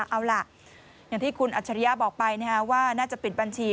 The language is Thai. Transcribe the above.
เอาล่ะอย่างที่คุณอัจฉริยะบอกไปว่าน่าจะปิดบัญชี